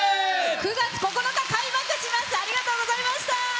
９月９日、開幕します！